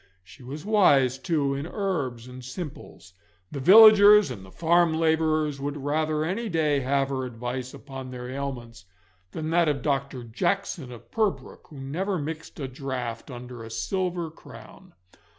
She was wise, too, in herbs and simples. The villagers and the farm labourers would rather any day have her advice upon their ailments than that of Dr. Jackson of Purbrook, who never mixed a draught under a silver crown.